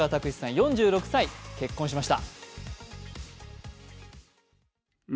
４６歳、結婚しました！